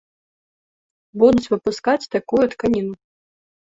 Будуць выпускаць такую тканіну.